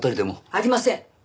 ありません！